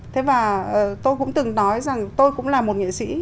thế và tôi cũng từng nói rằng tôi cũng là một nghệ sĩ